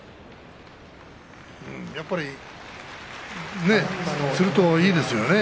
やっぱりつるといいですよね。